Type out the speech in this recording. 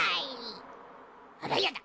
あらやだ！